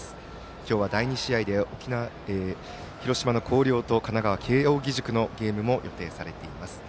今日は第２試合で広島の広陵と神奈川、慶応義塾のゲームも予定されています。